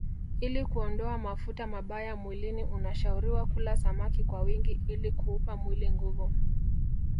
Ili kuondoa mafuta mabaya mwilini unashauriwa kula samaki kwa wingi ili kuupa mwili nguvu